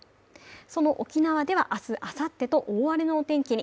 その沖縄では、明日、あさってと大荒れのお天気に。